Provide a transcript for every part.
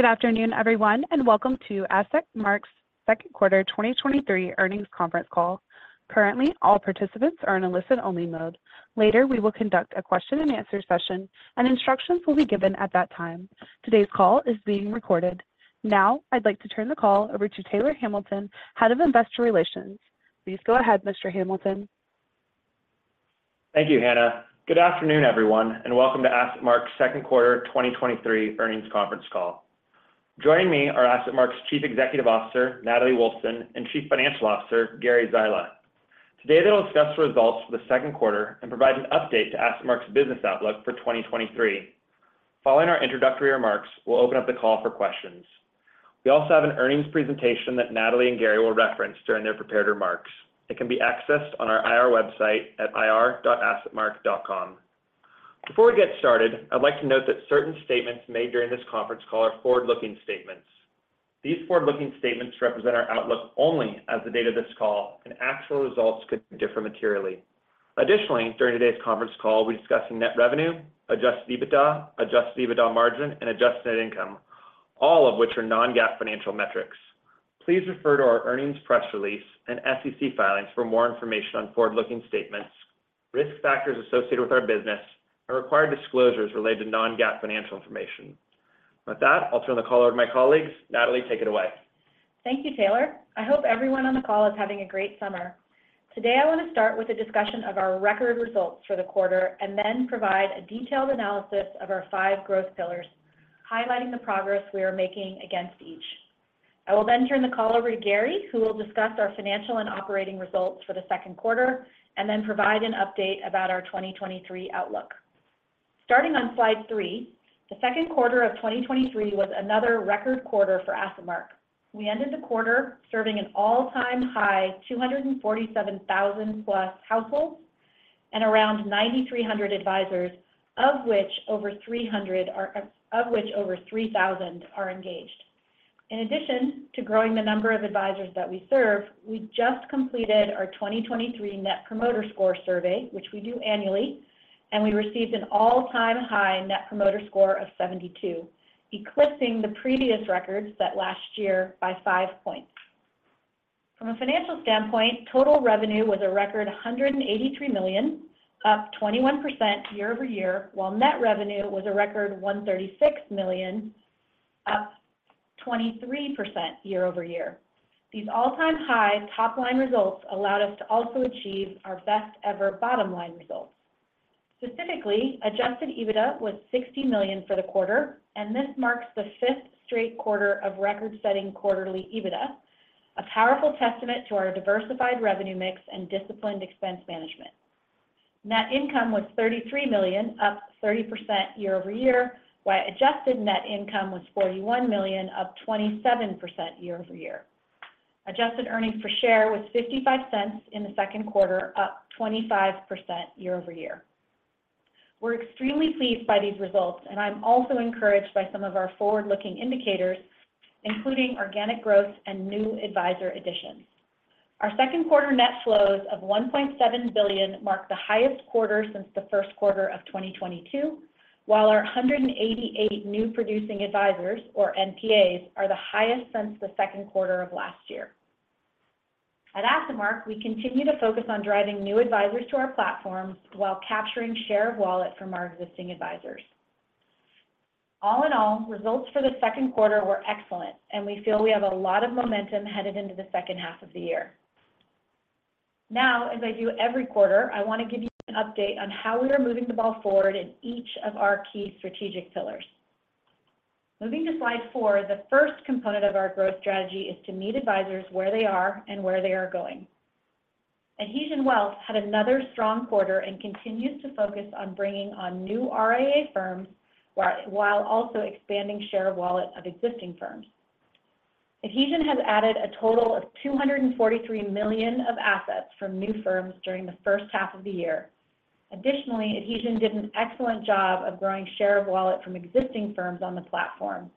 Good afternoon, everyone, and welcome to AssetMark's second quarter 2023 earnings conference call. Currently, all participants are in a listen-only mode. Later, we will conduct a question and answer session, and instructions will be given at that time. Today's call is being recorded. Now, I'd like to turn the call over to Taylor Hamilton, Head of Investor Relations. Please go ahead, Mr. Hamilton. Thank you, Hannah. Good afternoon, everyone, welcome to AssetMark's second quarter 2023 earnings conference call. Joining me are AssetMark's Chief Executive Officer, Natalie Wolfsen, and Chief Financial Officer, Gary Zyla. Today, they'll discuss the results for the second quarter and provide an update to AssetMark's business outlook for 2023. Following our introductory remarks, we'll open up the call for questions. We also have an earnings presentation that Natalie and Gary will reference during their prepared remarks. It can be accessed on our IR website at ir.assetmark.com. Before we get started, I'd like to note that certain statements made during this conference call are forward-looking statements. These forward-looking statements represent our outlook only as the date of this call, actual results could differ materially. Additionally, during today's conference call, we'll be discussing net revenue, adjusted EBITDA, adjusted EBITDA margin, and adjusted net income, all of which are non-GAAP financial metrics. Please refer to our earnings press release and SEC filings for more information on forward-looking statements, risk factors associated with our business, and required disclosures related to non-GAAP financial information. With that, I'll turn the call over to my colleagues. Natalie, take it away. Thank you, Taylor. I hope everyone on the call is having a great summer. Today, I want to start with a discussion of our record results for the quarter and then provide a detailed analysis of our five growth pillars, highlighting the progress we are making against each. I will then turn the call over to Gary, who will discuss our financial and operating results for the second quarter and then provide an update about our 2023 outlook. Starting on Slide three, the second quarter of 2023 was another record quarter for AssetMark. We ended the quarter serving an all-time high, 247,000+ households and around 9,300 advisors, of which over 3,000 are engaged. In addition to growing the number of advisors that we serve, we just completed our 2023 Net Promoter Score survey, which we do annually. We received an all-time high Net Promoter Score of 72, eclipsing the previous record set last year by 5 points. From a financial standpoint, total revenue was a record $183 million, up 21% year-over-year, while net revenue was a record $136 million, up 23% year-over-year. These all-time high top-line results allowed us to also achieve our best ever bottom-line results. Specifically, adjusted EBITDA was $60 million for the quarter. This marks the fifth straight quarter of record-setting quarterly EBITDA, a powerful testament to our diversified revenue mix and disciplined expense management. Net income was $33 million, up 30% year-over-year, while adjusted net income was $41 million, up 27% year-over-year. Adjusted earnings per share was $0.55 in the second quarter, up 25% year-over-year. We're extremely pleased by these results. I'm also encouraged by some of our forward-looking indicators, including organic growth and new advisor additions. Our second-quarter net flows of $1.7 billion marked the highest quarter since the first quarter of 2022, while our 188 new producing advisors, or NPAs, are the highest since the second quarter of last year. At AssetMark, we continue to focus on driving new advisors to our platform while capturing share of wallet from our existing advisors. All in all, results for the second quarter were excellent, and we feel we have a lot of momentum headed into the second half of the year. As I do every quarter, I want to give you an update on how we are moving the ball forward in each of our key strategic pillars. Moving to Slide four, the first component of our growth strategy is to meet advisors where they are and where they are going. Adhesion Wealth had another strong quarter and continues to focus on bringing on new RIA firms, while also expanding share of wallet of existing firms. Adhesion has added a total of $243 million of assets from new firms during the first half of the year. Adhesion did an excellent job of growing share of wallet from existing firms on the platform.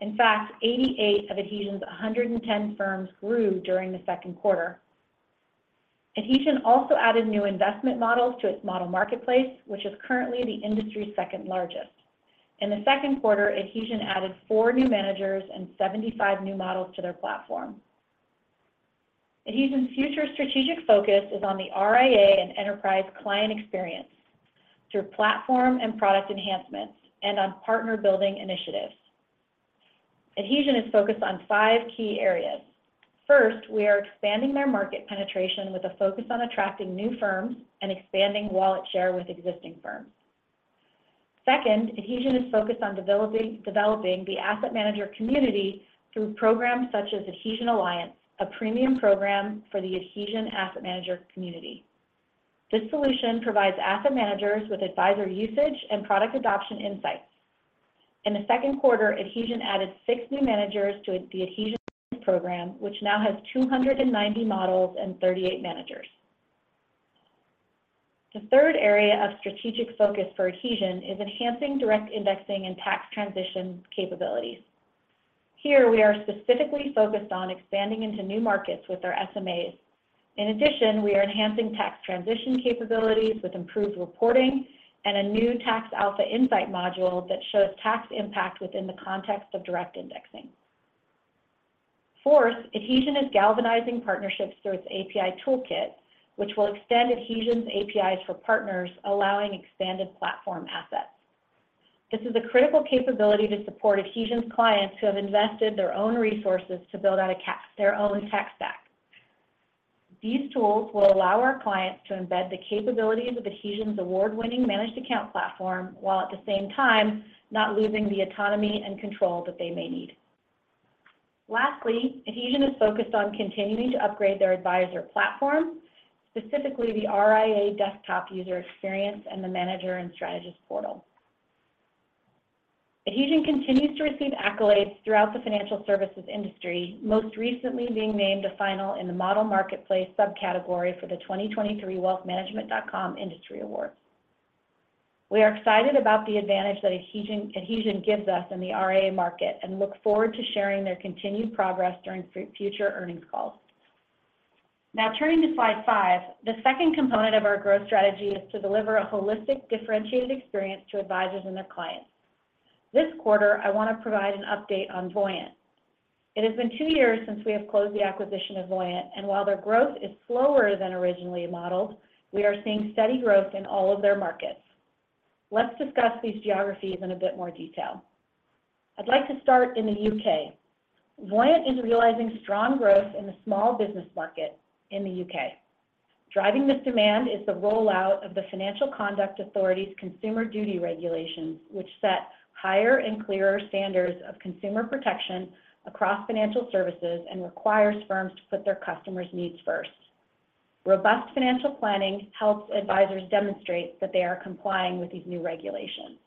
In fact, 88 of Adhesion's 110 firms grew during the second quarter. Adhesion also added new investment models to its model marketplace, which is currently the industry's second largest. In the second quarter, Adhesion added four new managers and 75 new models to their platform. Adhesion's future strategic focus is on the RIA and enterprise client experience through platform and product enhancements and on partner building initiatives. Adhesion is focused on 5 key areas. First, we are expanding their market penetration with a focus on attracting new firms and expanding wallet share with existing firms. Second, Adhesion is focused on developing the asset manager community through programs such as Adhesion Alliance, a premium program for the Adhesion asset manager community. This solution provides asset managers with advisor usage and product adoption insights. In the second quarter, Adhesion added six new managers to the Adhesion program, which now has 290 models and 38 managers. The third area of strategic focus for Adhesion is enhancing direct indexing and tax transition capabilities. Here, we are specifically focused on expanding into new markets with our SMAs. In addition, we are enhancing tax transition capabilities with improved reporting and a new tax alpha insight module that shows tax impact within the context of direct indexing. Fourth, Adhesion is galvanizing partnerships through its API toolkit, which will extend Adhesion's APIs for partners, allowing expanded platform assets. This is a critical capability to support Adhesion's clients who have invested their own resources to build out their own tech stack. These tools will allow our clients to embed the capabilities of Adhesion's award-winning managed account platform, while at the same time, not losing the autonomy and control that they may need. Lastly, Adhesion is focused on continuing to upgrade their advisor platform, specifically the RIA desktop user experience and the manager and strategist portal. Adhesion continues to receive accolades throughout the financial services industry, most recently being named a final in the Model Marketplace subcategory for the 2023 WealthManagement.com Industry Awards. We are excited about the advantage that Adhesion gives us in the RIA market and look forward to sharing their continued progress during future earnings calls. Now, turning to Slide five, the second component of our growth strategy is to deliver a holistic, differentiated experience to advisors and their clients. This quarter, I want to provide an update on Voyant. It has been two years since we have closed the acquisition of Voyant. While their growth is slower than originally modeled, we are seeing steady growth in all of their markets. Let's discuss these geographies in a bit more detail. I'd like to start in the U.K.. Voyant is realizing strong growth in the small business market in the UK. Driving this demand is the rollout of the Financial Conduct Authority's Consumer Duty regulations, which set higher and clearer standards of consumer protection across financial services and requires firms to put their customers' needs first. Robust financial planning helps advisors demonstrate that they are complying with these new regulations.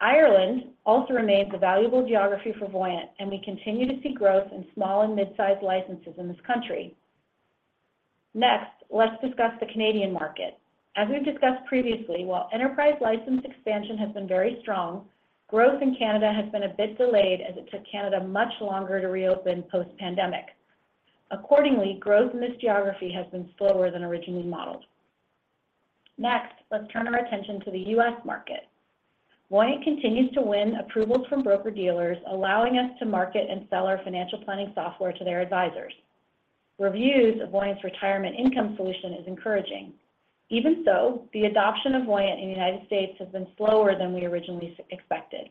Ireland also remains a valuable geography for Voyant. We continue to see growth in small and mid-sized licenses in this country. Next, let's discuss the Canadian market. As we've discussed previously, while enterprise license expansion has been very strong, growth in Canada has been a bit delayed as it took Canada much longer to reopen post-pandemic. Accordingly, growth in this geography has been slower than originally modeled. Next, let's turn our attention to the U.S. market. Voyant continues to win approvals from broker-dealers, allowing us to market and sell our financial planning software to their advisors. Reviews of Voyant's retirement income solution is encouraging. Even so, the adoption of Voyant in the United States has been slower than we originally expected.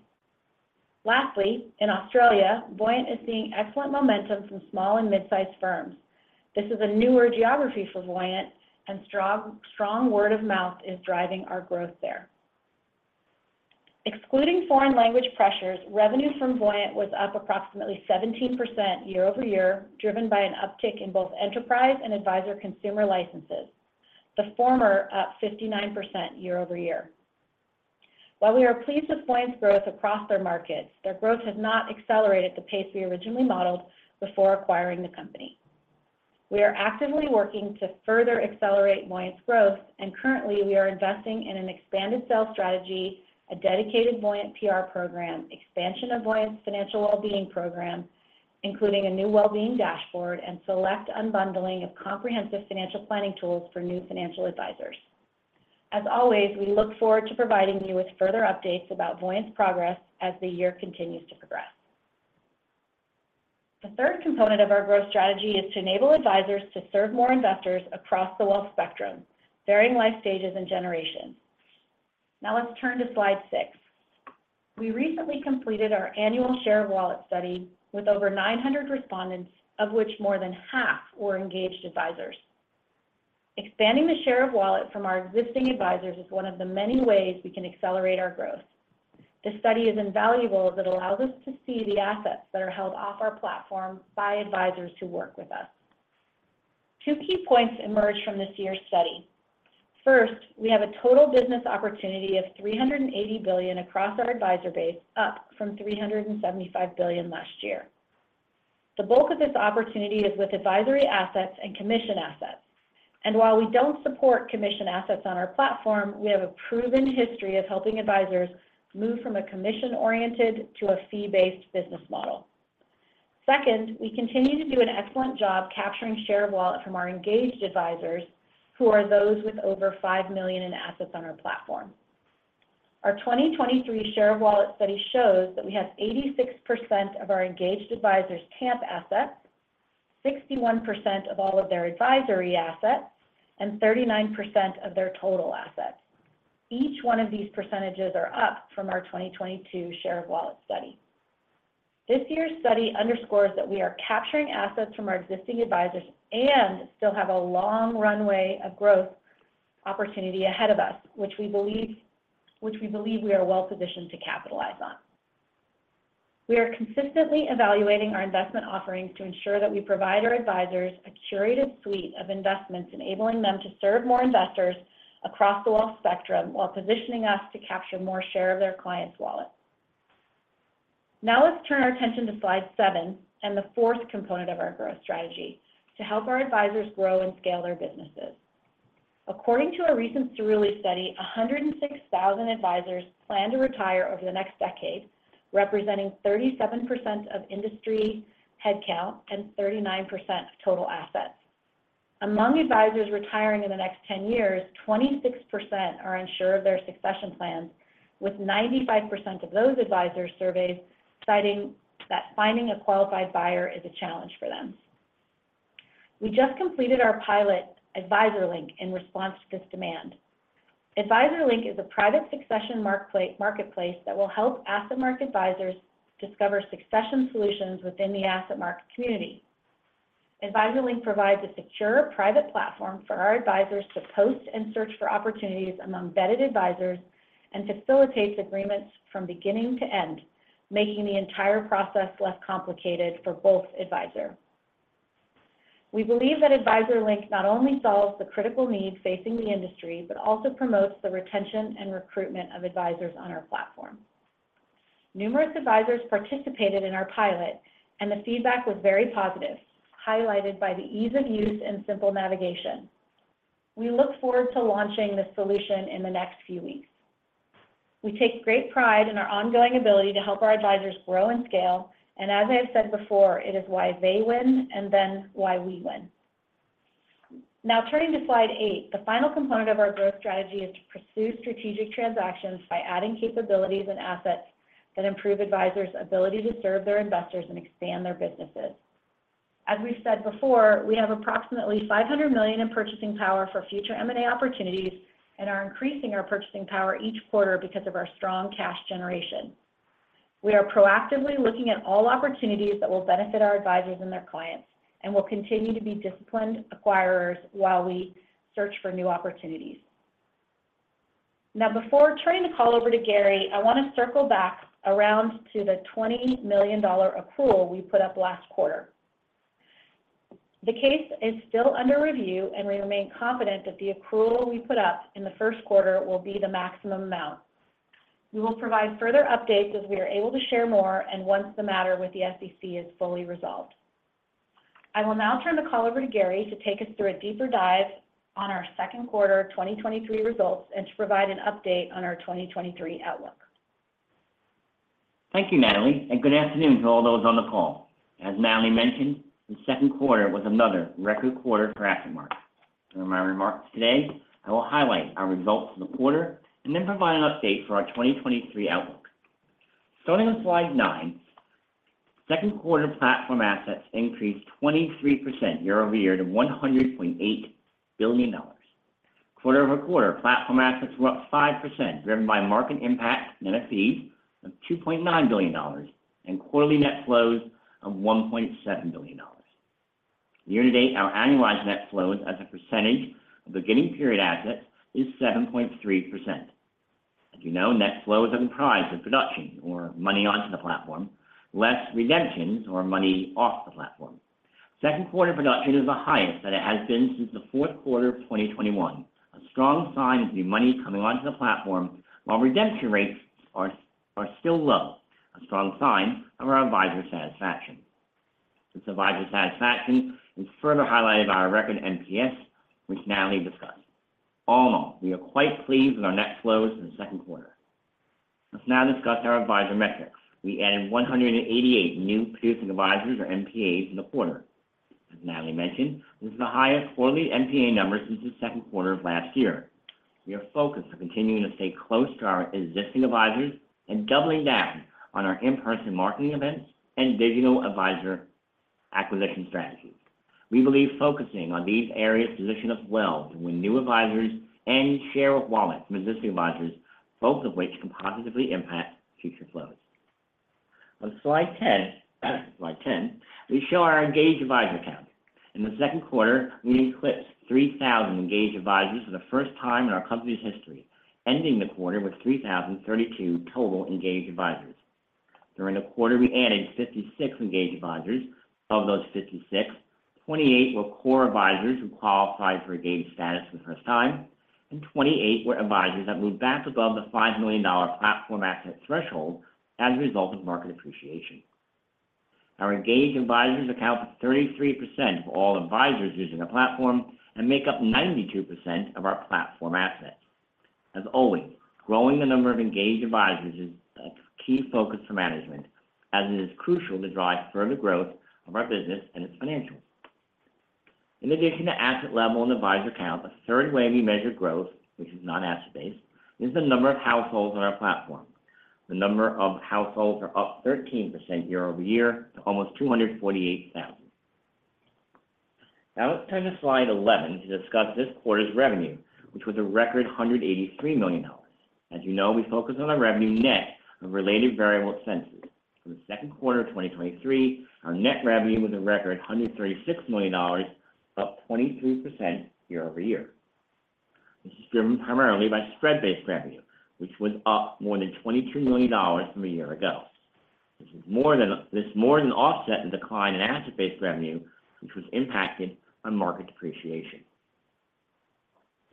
Lastly, in Australia, Voyant is seeing excellent momentum from small and mid-sized firms. This is a newer geography for Voyant, and strong, strong word of mouth is driving our growth there. Excluding foreign exchange pressures, revenue from Voyant was up approximately 17% year-over-year, driven by an uptick in both enterprise and advisor consumer licenses, the former up 59% year-over-year. While we are pleased with Voyant's growth across their markets, their growth has not accelerated at the pace we originally modeled before acquiring the company. We are actively working to further accelerate Voyant's growth. Currently, we are investing in an expanded sales strategy, a dedicated Voyant PR program, expansion of Voyant's financial well-being program, including a new well-being dashboard, and select unbundling of comprehensive financial planning tools for new financial advisors. As always, we look forward to providing you with further updates about Voyant's progress as the year continues to progress. The third component of our growth strategy is to enable advisors to serve more investors across the wealth spectrum, varying life stages and generations. Let's turn to Slide six. We recently completed our annual share of wallet study with over 900 respondents, of which more than half were engaged advisors. Expanding the share of wallet from our existing advisors is one of the many ways we can accelerate our growth. This study is invaluable, as it allows us to see the assets that are held off our platform by advisors who work with us. 2 key points emerged from this year's study. First, we have a total business opportunity of $380 billion across our advisor base, up from $375 billion last year. The bulk of this opportunity is with advisory assets and commission assets, and while we don't support commission assets on our platform, we have a proven history of helping advisors move from a commission-oriented to a fee-based business model. Second, we continue to do an excellent job capturing share of wallet from our engaged advisors, who are those with over $5 million in assets on our platform. Our 2023 share of wallet study shows that we have 86% of our engaged advisors' TAMP assets, 61% of all of their advisory assets, and 39% of their total assets. Each one of these percentages are up from our 2022 share of wallet study. This year's study underscores that we are capturing assets from our existing advisors and still have a long runway of growth opportunity ahead of us, which we believe we are well positioned to capitalize on. We are consistently evaluating our investment offerings to ensure that we provide our advisors a curated suite of investments, enabling them to serve more investors across the wealth spectrum while positioning us to capture more share of their clients' wallet. Now, let's turn our attention to Slide seven and the fourth component of our growth strategy: to help our advisors grow and scale their businesses. According to a recent Cerulli study, 106,000 advisors plan to retire over the next decade, representing 37% of industry headcount and 39% of total assets. Among advisors retiring in the next 10 years, 26% are unsure of their succession plans, with 95% of those advisors surveyed citing that finding a qualified buyer is a challenge for them. We just completed our pilot, AdvisorLink, in response to this demand. AdvisorLink is a private succession marketplace that will help AssetMark advisors discover succession solutions within the AssetMark community. AdvisorLink provides a secure, private platform for our advisors to post and search for opportunities among vetted advisors and facilitates agreements from beginning to end, making the entire process less complicated for both advisor. We believe that AdvisorLink not only solves the critical needs facing the industry, but also promotes the retention and recruitment of advisors on our platform. Numerous advisors participated in our pilot, and the feedback was very positive, highlighted by the ease of use and simple navigation. We look forward to launching this solution in the next few weeks. We take great pride in our ongoing ability to help our advisors grow and scale, and as I have said before, it is why they win and then why we win. Now, turning to Slide eight, the final component of our growth strategy is to pursue strategic transactions by adding capabilities and assets that improve advisors' ability to serve their investors and expand their businesses. As we said before, we have approximately $500 million in purchasing power for future M&A opportunities and are increasing our purchasing power each quarter because of our strong cash generation. We are proactively looking at all opportunities that will benefit our advisors and their clients, and will continue to be disciplined acquirers while we search for new opportunities. Now, before turning the call over to Gary, I want to circle back around to the $20 million accrual we put up last quarter. The case is still under review, and we remain confident that the accrual we put up in the first quarter will be the maximum amount. We will provide further updates as we are able to share more and once the matter with the SEC is fully resolved. I will now turn the call over to Gary to take us through a deeper dive on our second quarter 2023 results and to provide an update on our 2023 outlook. Thank you, Natalie, and good afternoon to all those on the call. As Natalie mentioned, the second quarter was another record quarter for AssetMark. In my remarks today, I will highlight our results for the quarter and then provide an update for our 2023 outlook. Starting on Slide nine, second quarter platform assets increased 23% year-over-year to $108 billion. Quarter-over-quarter, platform assets were up 5%, driven by market impact and a fee of $2.9 billion and quarterly net flows of $1.7 billion. Year to date, our annualized net flows as a percentage of beginning period assets is 7.3%. As you know, net flows are comprised of production or money onto the platform, less redemptions or money off the platform. Second quarter production is the highest that it has been since the fourth quarter of 2021, a strong sign of new money coming onto the platform, while redemption rates are still low, a strong sign of our advisor satisfaction. Since advisor satisfaction is further highlighted by our record NPS, which Natalie discussed. All in all, we are quite pleased with our net flows in the second quarter. Let's now discuss our advisor metrics. We added 188 new producing advisors, or NPAs, in the quarter. As Natalie mentioned, this is the highest quarterly NPA number since the second quarter of last year. We are focused on continuing to stay close to our existing advisors and doubling down on our in-person marketing events and digital advisor acquisition strategies. We believe focusing on these areas position us well to win new advisors and share of wallet from existing advisors, both of which can positively impact future flows. On Slide 10, Slide 10, we show our engaged advisor account. In the second quarter, we eclipsed 3,000 engaged advisors for the first time in our company's history, ending the quarter with 3,032 total engaged advisors. During the quarter, we added 56 engaged advisors. Of those 56, 28 were core advisors who qualified for engaged status for the first time, and 28 were advisors that moved back above the $5 million platform asset threshold as a result of market appreciation. Our engaged advisors account for 33% of all advisors using the platform and make up 92% of our platform assets. As always, growing the number of engaged advisors is a key focus for management, as it is crucial to drive further growth of our business and its financials. In addition to asset level and advisor count, a third way we measure growth, which is not asset-based, is the number of households on our platform. The number of households are up 13% year-over-year to almost 248,000. Let's turn to Slide 11 to discuss this quarter's revenue, which was a record $183 million. As you know, we focus on our revenue net of related variable expenses. For the second quarter of 2023, our net revenue was a record $136 million, up 23% year-over-year. This is driven primarily by spread-based revenue, which was up more than $22 million from a year ago. This more than offset the decline in asset-based revenue, which was impacted on market depreciation.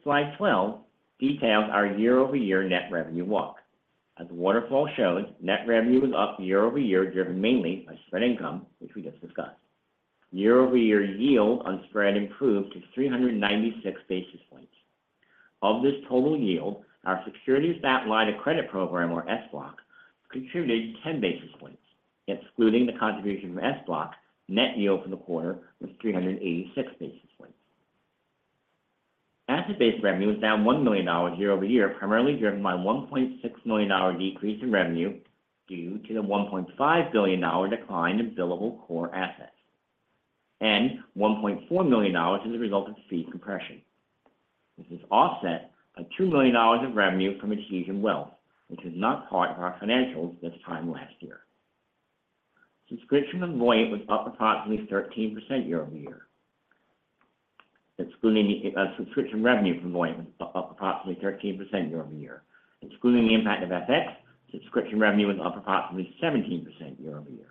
Slide 12 details our year-over-year net revenue walk. As the waterfall shows, net revenue was up year-over-year, driven mainly by spread income, which we just discussed. Year-over-year yield on spread improved to 396 basis points. Of this total yield, our securities-backed line of credit program, or SBLOC, contributed 10 basis points. Excluding the contribution from SBLOC, net yield for the quarter was 386 basis points. Asset-based revenue is down $1 million year-over-year, primarily driven by $1.6 million decrease in revenue due to the $1.5 billion decline in billable core assets, and $1.4 million as a result of fee compression. This is offset by $2 million of revenue from Adhesion Wealth, which is not part of our financials this time last year. Subscription and loyalty was up approximately 13% year-over-year. Excluding the subscription revenue from loyalty was up approximately 13% year-over-year. Excluding the impact of FX, subscription revenue was up approximately 17% year-over-year.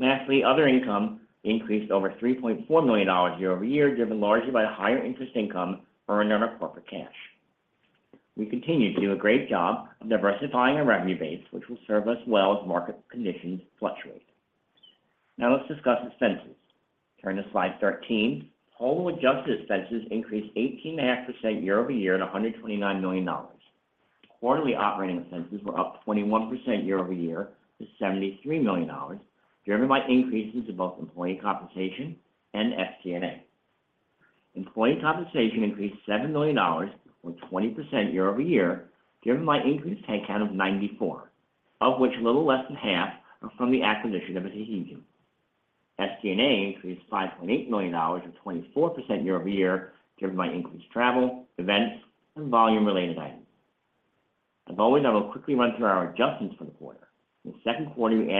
Lastly, other income increased over $3.4 million year-over-year, driven largely by higher interest income earned on our corporate cash. We continue to do a great job of diversifying our revenue base, which will serve us well as market conditions fluctuate. Now let's discuss expenses. Turn to Slide 13. Total adjusted expenses increased 18.5% year-over-year to $129 million. Quarterly operating expenses were up 21% year-over-year to $73 million, driven by increases in both employee compensation and FC&A. Employee compensation increased $7 million, or 20% year-over-year, driven by increased head count of 94, of which a little less than half are from the acquisition of Adhesion. FC&A increased $5.8 million, or 24% year-over-year, driven by increased travel, events, and volume-related items. As always, I will quickly run through our adjustments for the quarter. In the second quarter, we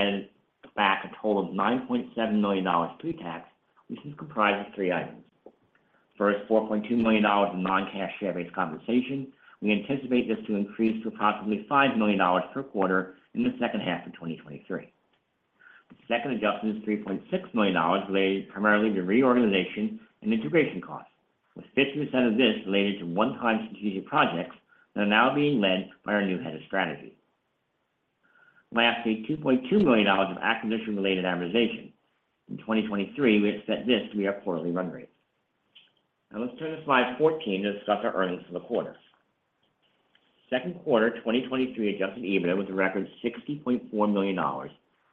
added back a total of $9.7 million pre-tax, which is comprised of three items. First, $4.2 million in non-cash share-based compensation. We anticipate this to increase to approximately $5 million per quarter in the second half of 2023. The second adjustment is $3.6 million, related primarily to reorganization and integration costs, with 50% of this related to one-time strategic projects that are now being led by our new head of strategy. $2.2 million of acquisition-related amortization. In 2023, we expect this to be our quarterly run rate. Let's turn to Slide 14 to discuss our earnings for the quarter. second quarter 2023 adjusted EBITDA was a record $60.4 million,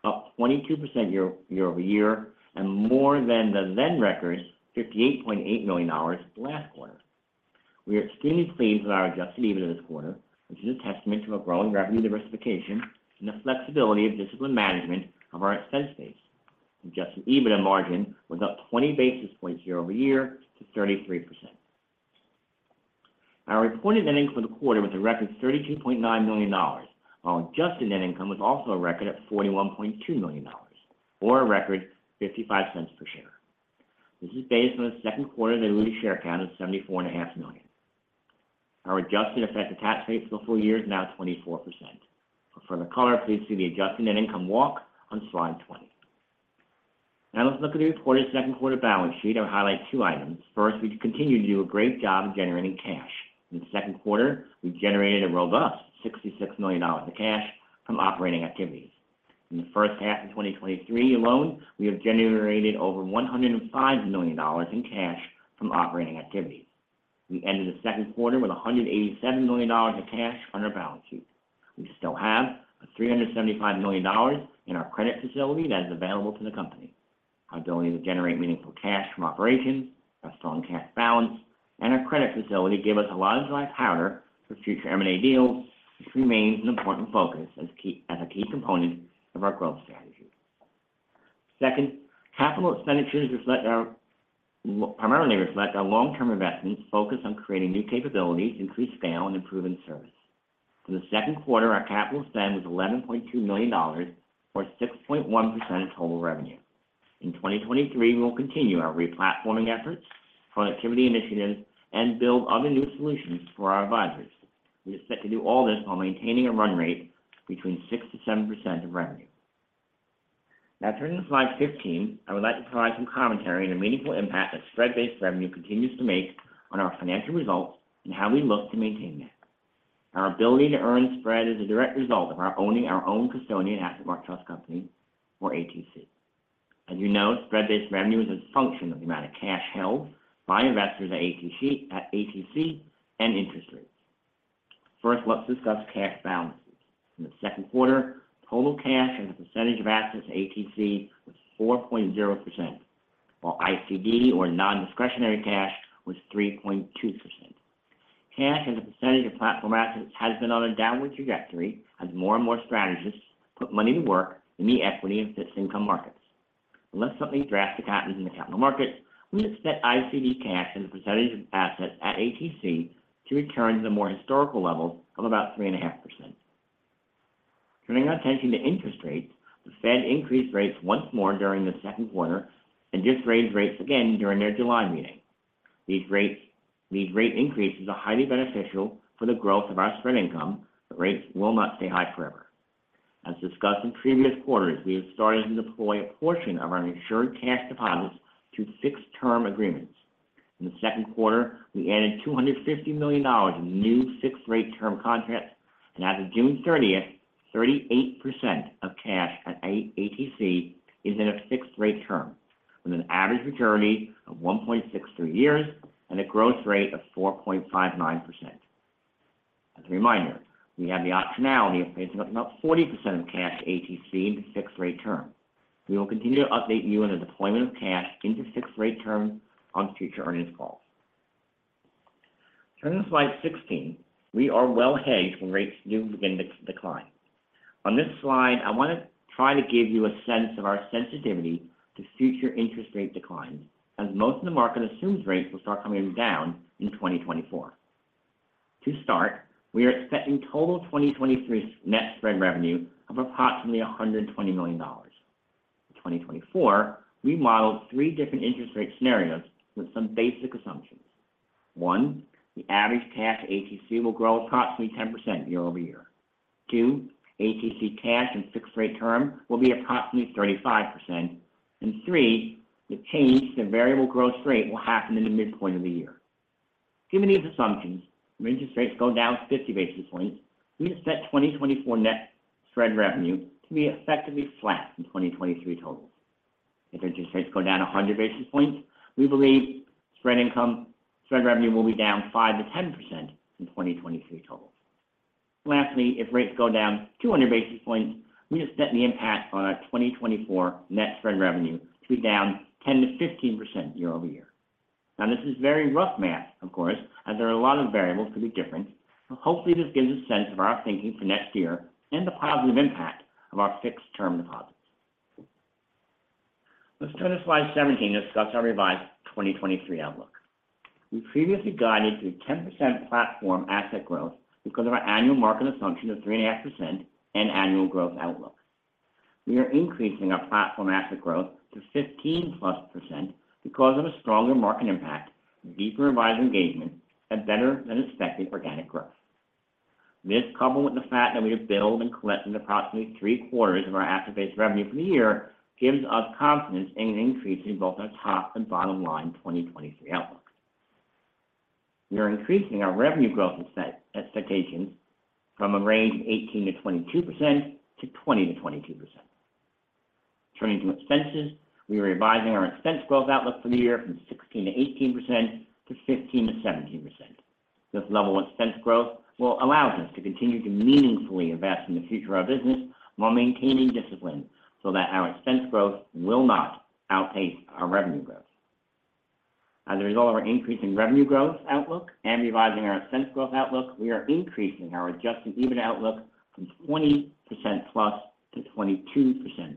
up 22% year-over-year, and more than the then records, $58.8 million last quarter. We are extremely pleased with our adjusted EBITDA this quarter, which is a testament to our growing revenue diversification and the flexibility of disciplined management of our expense base. Adjusted EBITDA margin was up 20 basis points year-over-year to 33%. Our reported net income for the quarter was a record $32.9 million, while adjusted net income was also a record at $41.2 million, or a record $0.55 per share. This is based on the second quarter diluted share count of 74.5 million. Our adjusted effective tax rate for the full year is now 24%. For further color, please see the adjusted net income walk on Slide 20. Let's look at the reported second quarter balance sheet and highlight two items. First, we continue to do a great job of generating cash. In the second quarter, we generated a robust $66 million of cash from operating activities. In the first half of 2023 alone, we have generated over $105 million in cash from operating activities. We ended the second quarter with $187 million of cash on our balance sheet. We still have $375 million in our credit facility that is available to the company. Our ability to generate meaningful cash from operations, our strong cash balance, and our credit facility give us a lot of dry powder for future M&A deals, which remains an important focus as a key component of our growth strategy. Second, capital expenditures primarily reflect our long-term investments focused on creating new capabilities, increased scale and improving service. For the second quarter, our capital spend was $11.2 million, or 6.1% of total revenue. In 2023, we will continue our replatforming efforts, productivity initiatives, and build other new solutions for our advisors. We expect to do all this while maintaining a run rate between 6%-7% of revenue. Turning to Slide 15, I would like to provide some commentary on the meaningful impact that spread-based revenue continues to make on our financial results and how we look to maintain that. Our ability to earn spread is a direct result of our owning our own custodian AssetMark Trust Company, or ATC. As you know, spread-based revenue is a function of the amount of cash held by investors at ATC and interest rates. First, let's discuss cash balances. In the second quarter, total cash as a percentage of assets at ATC was 4.0%, while ICD or non-discretionary cash was 3.2%. Cash as a percentage of platform assets has been on a downward trajectory as more and more strategists put money to work in the equity and fixed income markets. Unless something drastic happens in the capital markets, we expect ICD cash as a percentage of assets at ATC to return to the more historical level of about 3.5%. Turning our attention to interest rates, the Fed increased rates once more during the second quarter and just raised rates again during their July meeting. These rate increases are highly beneficial for the growth of our spread income, rates will not stay high forever. As discussed in previous quarters, we have started to deploy a portion of our insured cash deposits to fixed term agreements. In the second quarter, we added $250 million in new fixed-rate term contracts. As of June 30th, 38% of cash at ATC is in a fixed-rate term, with an average maturity of 1.63 years and a growth rate of 4.59%. As a reminder, we have the optionality of placing up about 40% of cash to ATC into fixed-rate term. We will continue to update you on the deployment of cash into fixed-rate term on future earnings calls. Turning to Slide 16, we are well hedged when rates do begin to decline. On this slide, I want to try to give you a sense of our sensitivity to future interest rate declines, as most of the market assumes rates will start coming down in 2024. To start, we are expecting total 2023's net spread revenue of approximately $120 million. In 2024, we modeled three different interest rate scenarios with some basic assumptions. One, the average cash ATC will grow approximately 10% year-over-year. Two, ATC cash and fixed-rate term will be approximately 35%. Three, the change in the variable growth rate will happen in the midpoint of the year. Given these assumptions, if interest rates go down 50 basis points, we expect 2024 net spread revenue to be effectively flat in 2023 totals. If interest rates go down 100 basis points, we believe spread revenue will be down 5%-10% in 2023 totals. Lastly, if rates go down 200 basis points, we expect the impact on our 2024 net spread revenue to be down 10%-15% year-over-year. This is very rough math, of course, as there are a lot of variables could be different. Hopefully, this gives a sense of our thinking for next year and the positive impact of our fixed-term deposits. Let's turn to Slide 17, to discuss our revised 2023 outlook. We previously guided to 10% platform asset growth because of our annual market assumption of 3.5% and annual growth outlook. We are increasing our platform asset growth to 15+% because of a stronger market impact, deeper advisor engagement, and better-than-expected organic growth. This, coupled with the fact that we have billed and collected approximately three-quarters of our asset-based revenue for the year, gives us confidence in increasing both our top and bottom line 2023 outlook. We are increasing our revenue growth expectations from a range of 18%-22% to 20%-22%. Turning to expenses, we are revising our expense growth outlook for the year from 16%-18% to 15%-17%. This level of expense growth will allow us to continue to meaningfully invest in the future of our business while maintaining discipline, so that our expense growth will not outpace our revenue growth. As a result of our increase in revenue growth outlook and revising our expense growth outlook, we are increasing our adjusted EBITDA outlook from 20%+ to 22%+.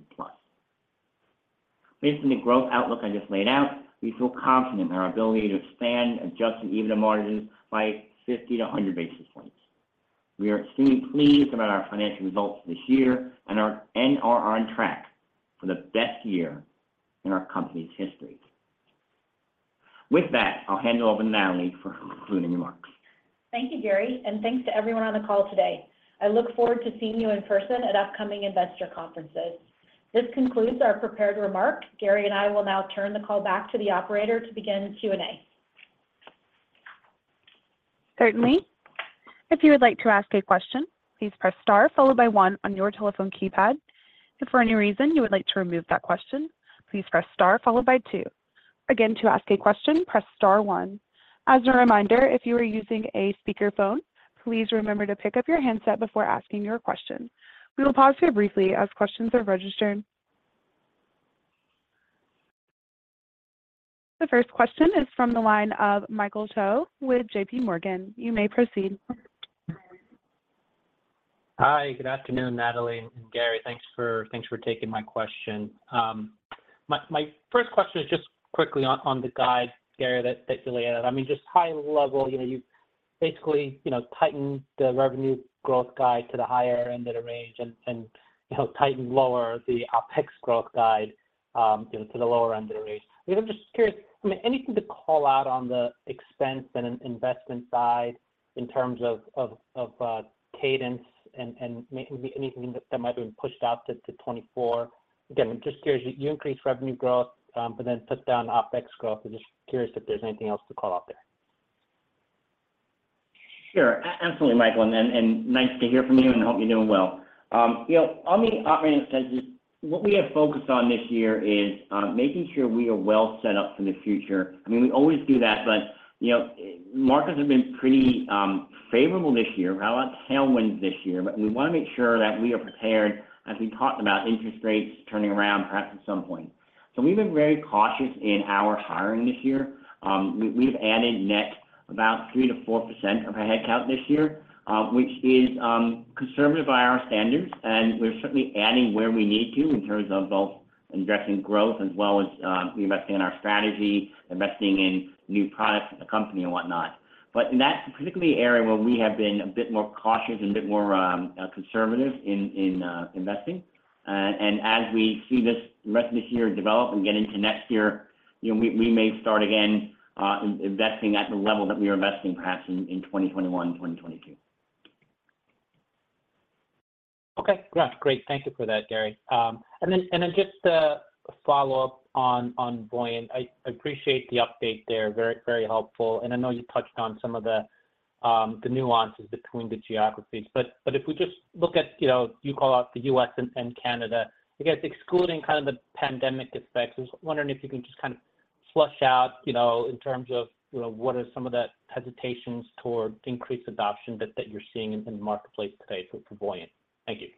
Based on the growth outlook I just laid out, we feel confident in our ability to expand adjusted EBITDA margins by 50 to 100 basis points. We are extremely pleased about our financial results this year and are on track for the best year in our company's history. With that, I'll hand it over to Natalie for concluding remarks. Thank you, Gary. Thanks to everyone on the call today. I look forward to seeing you in person at upcoming investor conferences. This concludes our prepared remarks. Gary and I will now turn the call back to the operator to begin Q&A. Certainly. If you would like to ask a question, please press star followed by one on your telephone keypad. If for any reason you would like to remove that question, please press star followed by two. Again, to ask a question, press star one. As a reminder, if you are using a speakerphone, please remember to pick up your handset before asking your question. We will pause here briefly as questions are registered. The first question is from the line of Michael Cho with JPMorgan. You may proceed. Hi, good afternoon, Natalie and Gary. Thanks for, thanks for taking my question. My, my first question is just quickly on, on the guide, Gary, that, that you laid out. I mean, just high level, you know, you basically, you know, tightened the revenue growth guide to the higher end of the range and, and, you know, tightened lower the OpEx growth guide, you know, to the lower end of the range. I'm just curious, I mean, anything to call out on the expense and in- investment side in terms of, of, of cadence and, and maybe anything that, that might have been pushed out to, to 2024? Again, I'm just curious, you increased revenue growth, but then pushed down OpEx growth. I'm just curious if there's anything else to call out there. Sure. Absolutely, Michael, and nice to hear from you, and I hope you're doing well. You know, on the operating expenses, what we have focused on this year is making sure we are well set up for the future. I mean, we always do that, but, you know, markets have been pretty favorable this year, had a lot of tailwinds this year. We want to make sure that we are prepared as we talk about interest rates turning around perhaps at some point. We've been very cautious in our hiring this year. We've, we've added net about 3%-4% of our headcount this year, which is conservative by our standards, and we're certainly adding where we need to in terms of both investing growth as well as, we investing in our strategy, investing in new products in the company and whatnot. In that particular area where we have been a bit more cautious and a bit more conservative in, in investing, and as we see this rest of this year develop and get into next year, you know, we, we may start again investing at the level that we were investing perhaps in 2021 and 2022. Okay, yeah, great. Thank you for that, Gary. Then, and then just a, a follow-up on, on Voyant. I, I appreciate the update there, very, very helpful, and I know you touched on some of the nuances between the geographies. But if we just look at, you know, you call out the US and, and Canada, I guess excluding kind of the pandemic effects, I was wondering if you can just kind of flush out, you know, in terms of, you know, what are some of the hesitations towards increased adoption that, that you're seeing in, in the marketplace today for Voyant? Thank you.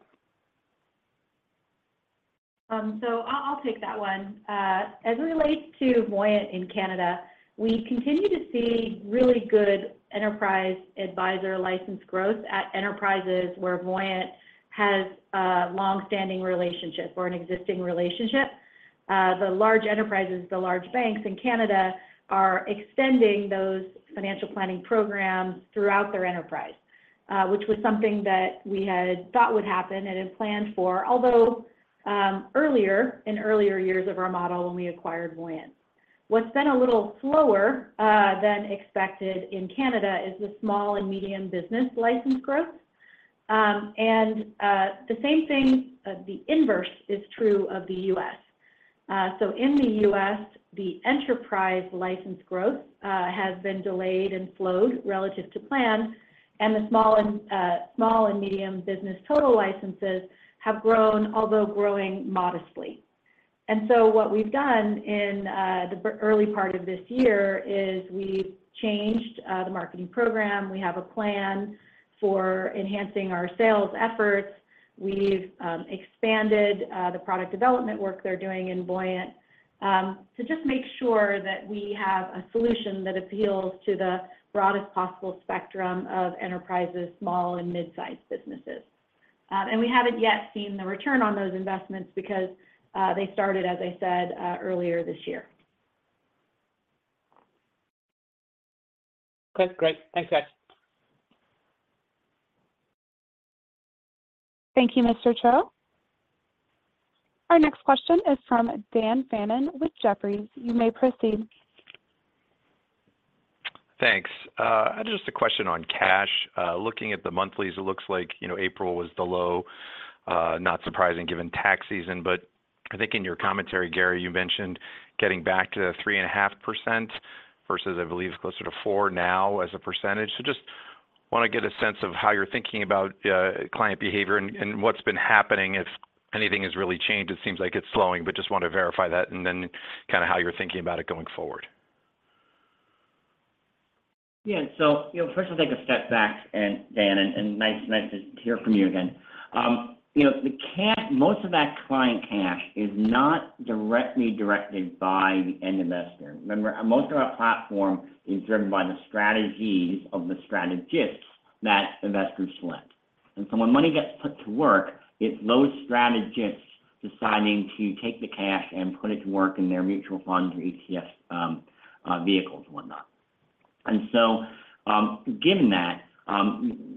I'll, I'll take that one. As it relates to Voyant in Canada, we continue to see really good enterprise advisor license growth at enterprises where Voyant has a long-standing relationship or an existing relationship. The large enterprises, the large banks in Canada are extending those financial planning programs throughout their enterprise, which was something that we had thought would happen and had planned for, although earlier, in earlier years of our model when we acquired Voyant. What's been a little slower than expected in Canada is the small and medium business license growth. The same thing, the inverse is true of the U.S. In the U.S., the enterprise license growth has been delayed and slowed relative to plan, and the small and small and medium business total licenses have grown, although growing modestly. What we've done in the early part of this year is we've changed the marketing program. We have a plan for enhancing our sales efforts. We've expanded the product development work they're doing in Voyant to just make sure that we have a solution that appeals to the broadest possible spectrum of enterprises, small and mid-sized businesses. We haven't yet seen the return on those investments because they started, as I said, earlier this year. Okay, great. Thanks, guys. Thank you, Mr. Cho. Our next question is from Dan Fannon with Jefferies. You may proceed. Thanks. Just a question on cash. Looking at the monthlies, it looks like, you know, April was the low, not surprising given tax season. I think in your commentary, Gary, you mentioned getting back to the 3.5% versus, I believe, it's closer to 4% now as a percentage. Just want to get a sense of how you're thinking about, client behavior and, and what's been happening, if anything has really changed. It seems like it's slowing, but just want to verify that and then kind of how you're thinking about it going forward. Yeah. You know, first I'll take a step back and, Dan, and, and nice, nice to hear from you again. You know, most of that client cash is not directly directed by the end investor. Remember, most of our platform is driven by the strategies of the strategists that investors select. When money gets put to work, it's those strategists deciding to take the cash and put it to work in their mutual funds or ETF vehicles and whatnot. Given that,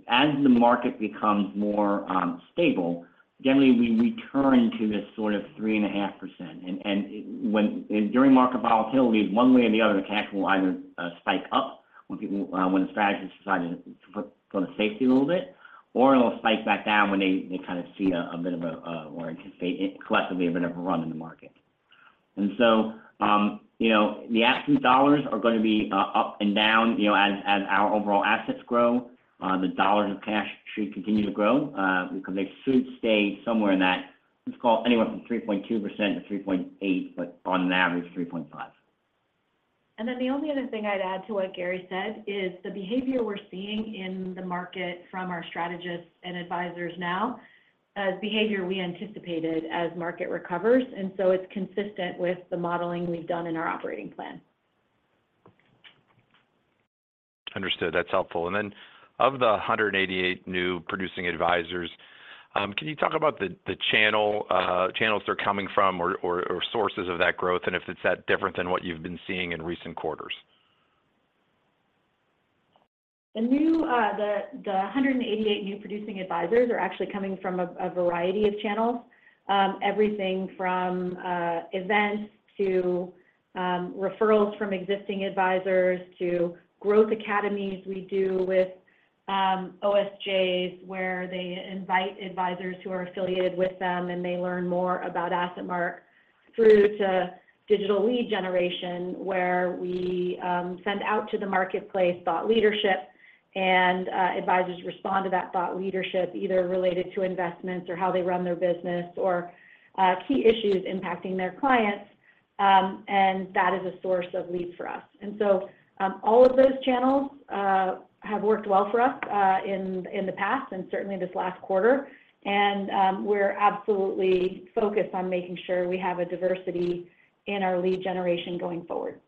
as the market becomes more stable, generally, we return to this sort of 3.5%. When... During market volatility, one way or the other, the cash will either spike up when people, when the strategists decide to put, go to safety a little bit, or it'll spike back down when they, they kind of see a bit of a, or anticipate it collectively a bit of a run in the market. You know, the asset dollars are going to be up and down, you know, as, as our overall assets grow. The dollars in cash should continue to grow because they should stay somewhere in that, let's call it anywhere from 3.2%-3.8%, but on average, 3.5%. The only other thing I'd add to what Gary said is the behavior we're seeing in the market from our strategists and advisors now is behavior we anticipated as market recovers, and so it's consistent with the modeling we've done in our operating plan. Understood. That's helpful. Of the 188 new producing advisors, can you talk about the channel, channels they're coming from or, or, or sources of that growth, and if it's that different than what you've been seeing in recent quarters? The new 188 new producing advisors are actually coming from a variety of channels. Everything from events to referrals from existing advisors to growth academies we do with OSJs, where they invite advisors who are affiliated with them, and they learn more about AssetMark through to digital lead generation, where we send out to the marketplace thought leadership. Advisors respond to that thought leadership, either related to investments or how they run their business, or key issues impacting their clients. That is a source of leads for us. All of those channels have worked well for us in the past and certainly this last quarter. We're absolutely focused on making sure we have a diversity in our lead generation going forward.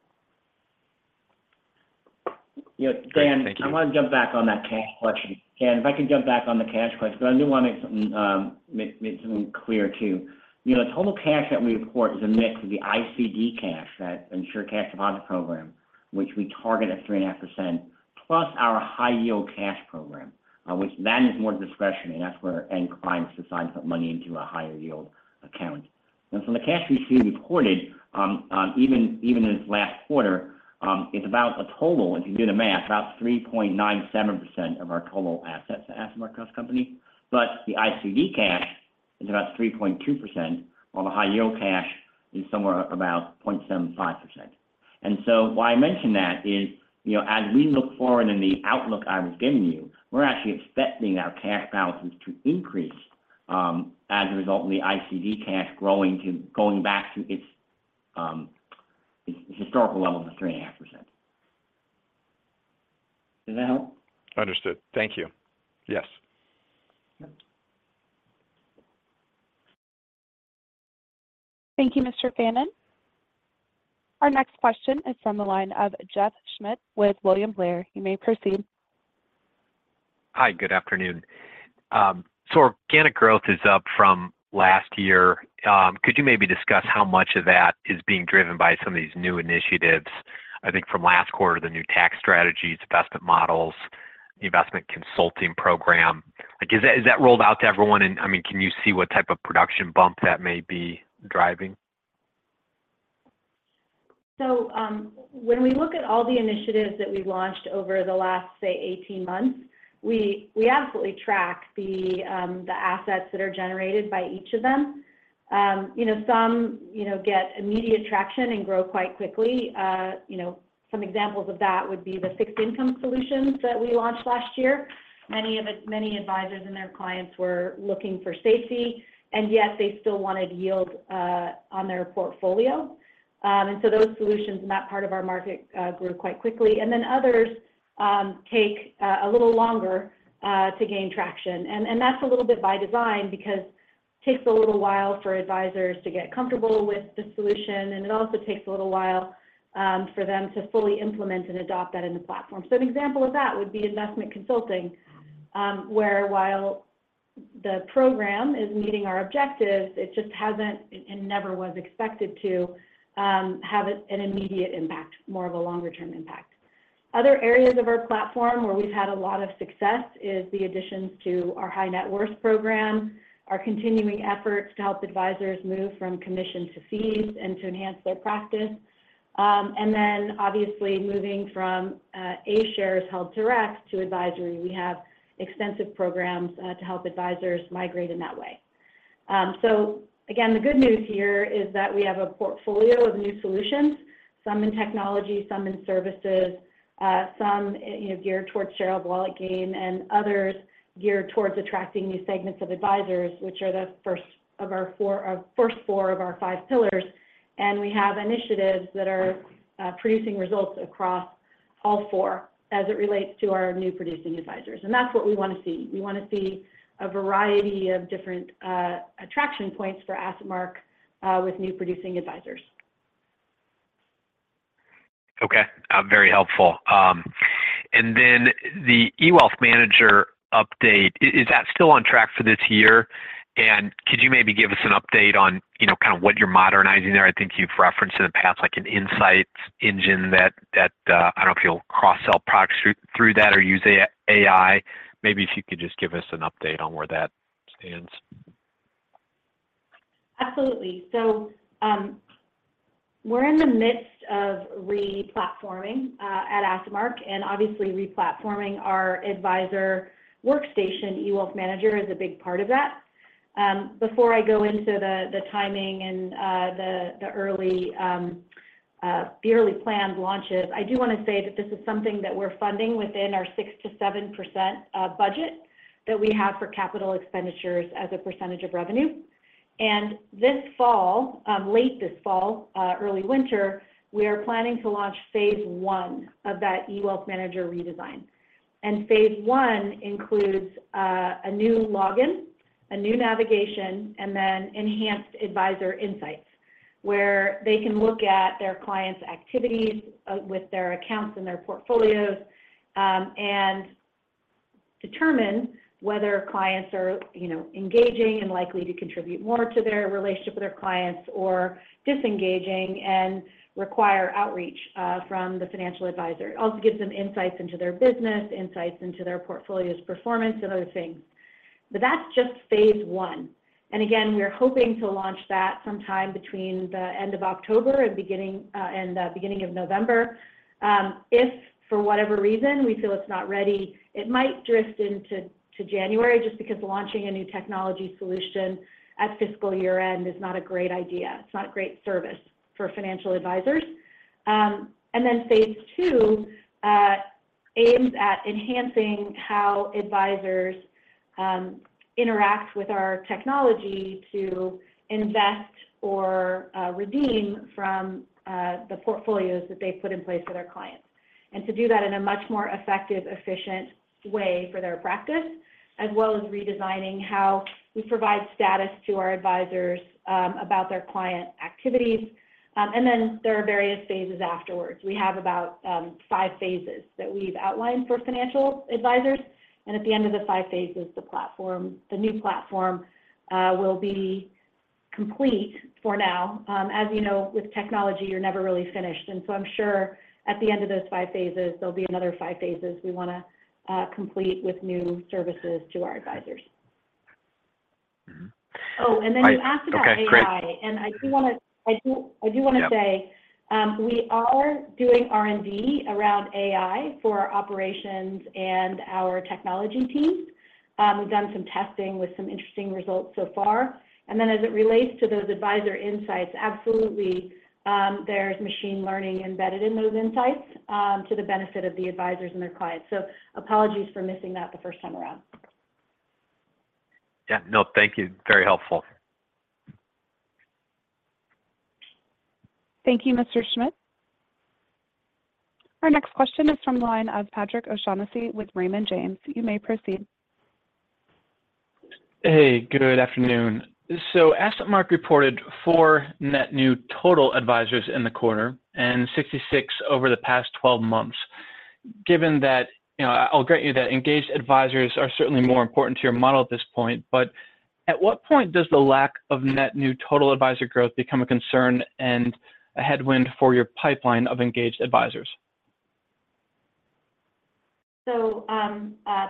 You know Dan, I want to jump back on that cash question. Dan, if I could jump back on the cash question, because I do want to make something clear, too. You know, total cash that we report is a mix of the ICD cash, that Insured Cash Deposit program, which we target at 3.5%, plus our high-yield cash program, which that is more discretionary. That's where end clients decide to put money into a higher yield account. The cash we see reported, even in this last quarter, it's about a total, if you do the math, about 3.97% of our total assets at AssetMark as a company. The ICD cash is about 3.2%, while the high yield cash is somewhere about 0.75%. So why I mention that is, you know, as we look forward in the outlook I was giving you, we're actually expecting our cash balances to increase as a result of the ICD cash going back to its historical level of 3.5%. Does that help? Understood. Thank you. Yes. Thank you, Mr. Fannon. Our next question is from the line of Jeff Schmitt with William Blair. You may proceed. Hi, good afternoon. Organic growth is up from last year. Could you maybe discuss how much of that is being driven by some of these new initiatives? I think from last quarter, the new tax strategies, investment models, investment consulting program. Like, is that rolled out to everyone? I mean, can you see what type of production bump that may be driving? When we look at all the initiatives that we've launched over the last, say, 18 months, we, we absolutely track the assets that are generated by each of them. You know, some, you know, get immediate traction and grow quite quickly. You know, some examples of that would be the fixed income solutions that we launched last year. Many advisors and their clients were looking for safety, and yet they still wanted yield on their portfolio. Those solutions in that part of our market grew quite quickly. Others take a little longer to gain traction. That's a little bit by design because it takes a little while for advisors to get comfortable with the solution, and it also takes a little while for them to fully implement and adopt that in the platform. An example of that would be investment consulting, where while the program is meeting our objectives, it just hasn't, and never was expected to, have an immediate impact, more of a longer-term impact. Other areas of our platform where we've had a lot of success is the additions to our high net worth program, our continuing efforts to help advisors move from commission to fees and to enhance their practice. Then obviously, moving from A-shares held direct to advisory. We have extensive programs to help advisors migrate in that way. Again, the good news here is that we have a portfolio of new solutions, some in technology, some in services, some, you know, geared towards share of wallet gain, and others geared towards attracting new segments of advisors, which are the first four of our five pillars. We have initiatives that are producing results across all four as it relates to our new producing advisors. That's what we want to see. We want to see a variety of different attraction points for AssetMark with new producing advisors. Okay, very helpful. Then the eWealthManager update, is, is that still on track for this year? Could you maybe give us an update on, you know, kind of what you're modernizing there? I think you've referenced in the past, like an insight engine that, that, I don't know if you'll cross-sell products through, through that or use AI. Maybe if you could just give us an update on where that stands. Absolutely. We're in the midst of re-platforming at AssetMark, and obviously, replatforming our advisor workstation, eWealthManager is a big part of that. Before I go into the timing and the early planned launches, I do want to say that this is something that we're funding within our 6%-7% budget that we have for capital expenditures as a percentage of revenue. This fall, late this fall, early winter, we are planning to launch Phase I of that eWealthManager redesign. Phase I includes a new login, a new navigation, and enhanced advisor insights, where they can look at their clients' activities with their accounts and their portfolios, and determine whether clients are, you know, engaging and likely to contribute more to their relationship with their clients, or disengaging and require outreach from the financial advisor. It also gives them insights into their business, insights into their portfolio's performance and other things. That's just Phase I. Again, we're hoping to launch that sometime between the end of October and beginning of November. If for whatever reason we feel it's not ready, it might drift into January, just because launching a new technology solution at fiscal year-end is not a great idea. It's not a great service for financial advisors. Then Phase 2 aims at enhancing how advisors interact with our technology to invest or redeem from the portfolios that they've put in place for their clients. To do that in a much more effective, efficient way for their practice, as well as redesigning how we provide status to our advisors about their client activities. Then there are various phases afterwards. We have about five phases that we've outlined for financial advisors, and at the end of the five phases, the platform, the new platform, will be complete for now. As you know, with technology, you're never really finished, and so I'm sure at the end of those five phases, there'll be another five phases we wanna complete with new services to our advisors. Oh, then you asked about AI. Okay, great. I do wanna say, we are doing R&D around AI for our operations and our technology teams. We've done some testing with some interesting results so far. As it relates to those advisor insights, absolutely, there's machine learning embedded in those insights to the benefit of the advisors and their clients. Apologies for missing that the first time around. Yeah. No, thank you. Very helpful. Thank you, Mr. Schmitt. Our next question is from the line of Patrick O'Shaughnessy with Raymond James. You may proceed. Hey, good afternoon. AssetMark reported four net new total advisors in the quarter, and 66 over the past 12 months. Given that, you know, I'll grant you that engaged advisors are certainly more important to your model at this point, but at what point does the lack of net new total advisor growth become a concern and a headwind for your pipeline of engaged advisors?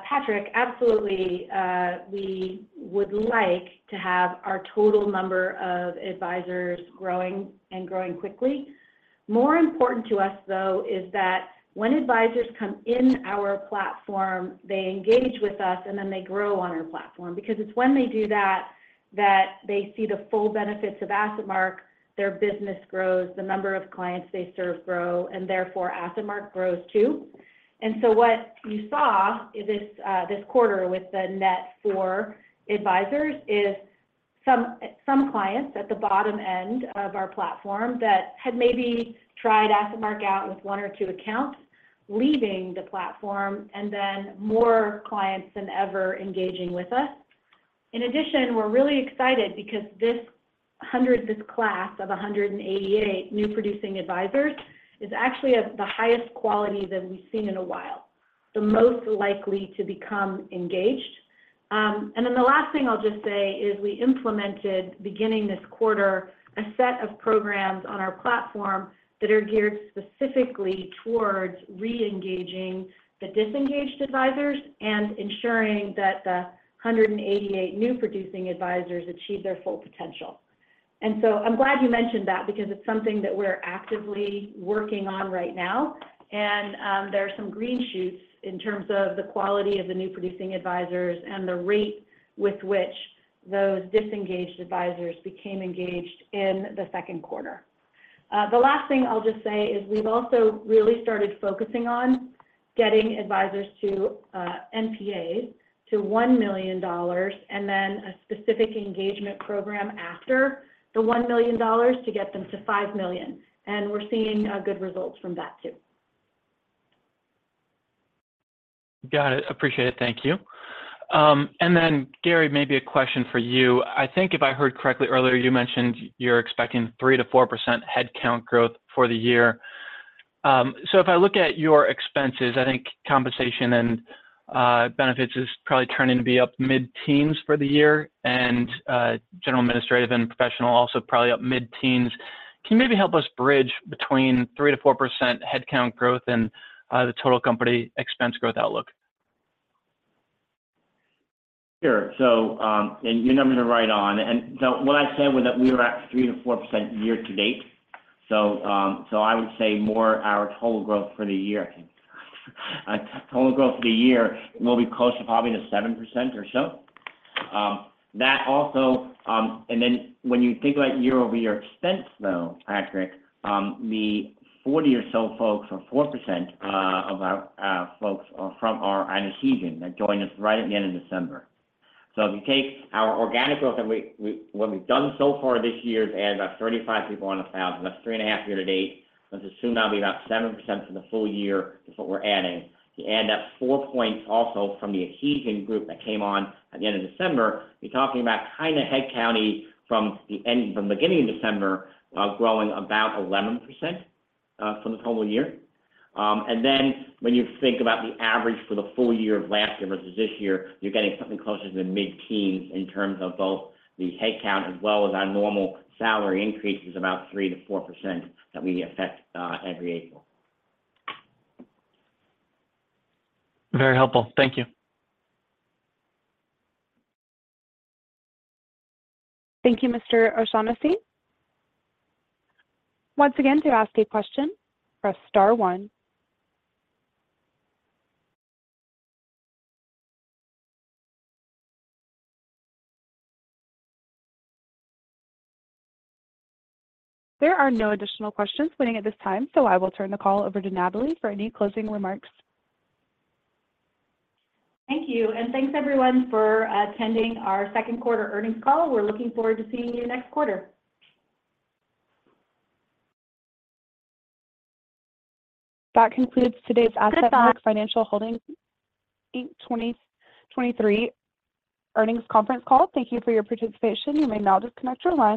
Patrick, absolutely, we would like to have our total number of advisors growing and growing quickly. More important to us, though, is that when advisors come in our platform, they engage with us, and then they grow on our platform. Because it's when they do that, that they see the full benefits of AssetMark, their business grows, the number of clients they serve grow, and therefore, AssetMark grows, too. What you saw is this, this quarter with the net flow advisors is some, some clients at the bottom end of our platform that had maybe tried AssetMark out with one or two accounts, leaving the platform, and then more clients than ever engaging with us. In addition, we're really excited because this class of 188 new producing advisors is actually of the highest quality that we've seen in a while, the most likely to become engaged. Then the last thing I'll just say is we implemented, beginning this quarter, a set of programs on our platform that are geared specifically towards reengaging the disengaged advisors and ensuring that the 188 new producing advisors achieve their full potential. So I'm glad you mentioned that because it's something that we're actively working on right now. There are some green shoots in terms of the quality of the new producing advisors and the rate with which those disengaged advisors became engaged in the second quarter. The last thing I'll just say is we've also really started focusing on getting advisors to NPAs to $1 million, and then a specific engagement program after the $1 million to get them to $5 million. We're seeing good results from that, too. Got it. Appreciate it. Thank you. Gary, maybe a question for you. I think if I heard correctly earlier, you mentioned you're expecting 3%-4% headcount growth for the year. If I look at your expenses, I think compensation and benefits is probably turning to be up mid-teens for the year, and general, administrative, and professional, also probably up mid-teens. Can you maybe help us bridge between 3%-4% headcount growth and the total company expense growth outlook? Sure. And your numbers are right on. What I said was that we were at 3%-4% year-to-date. I would say more our total growth for the year, total growth for the year will be close to probably to 7% or so. That also. When you think about year-over-year expense, though, Patrick, the 40 or so folks, or 4%, of our folks are from our Adhesion that joined us right at the end of December. If you take our organic growth and we, we, what we've done so far this year is add about 35 people on 1,000. That's 3.5 year-to-date. Let's assume that'll be about 7% for the full year is what we're adding. You add up 4 points also from the Adhesion group that came on at the end of December, you're talking about kinda headcount from the end, from the beginning of December, growing about 11% for the total year. Then when you think about the average for the full year of last year versus this year, you're getting something closer to the mid-teens in terms of both the headcount as well as our normal salary increases, about 3%-4% that we effect every April. Very helpful. Thank you. Thank you, Mr. O'Shaughnessy. Once again, to ask a question, press star one. There are no additional questions waiting at this time, so I will turn the call over to Natalie for any closing remarks. Thank you, thanks, everyone, for attending our second quarter earnings call. We're looking forward to seeing you next quarter. That concludes today's AssetMark Financial Holdings, Inc. 2023 earnings conference call. Thank you for your participation. You may now disconnect your lines.